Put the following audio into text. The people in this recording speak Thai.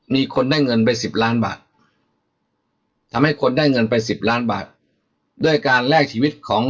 มีคนได้เงินไปสิบล้านบาททำให้คนได้เงินไปสิบล้านบาทด้วยการแลกชีวิตของ